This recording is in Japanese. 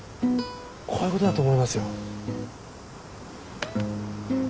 こういうことだと思いますよ。